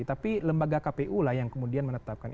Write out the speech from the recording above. tapi lembaga kpu lah yang kemudian menetapkan